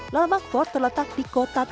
lalabak fort terletak di kota dhaka